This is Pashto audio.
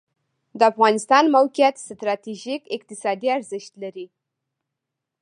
د افغانستان موقعیت ستراتیژیک اقتصادي ارزښت لري